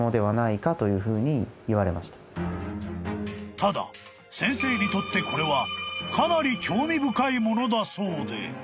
［ただ先生にとってこれはかなり興味深いものだそうで］